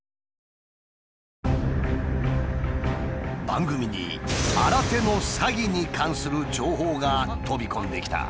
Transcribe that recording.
番組に新手の詐欺に関する情報が飛び込んできた。